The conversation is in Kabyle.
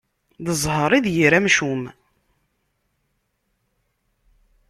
D zheṛ i d yir amcum.